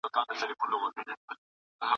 مېګرین یوازې سر درد نه دی.